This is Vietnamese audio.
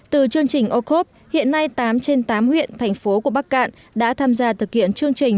từ chương trình ô khốp hiện nay tám trên tám huyện thành phố của bắc cạn đã tham gia thực hiện chương trình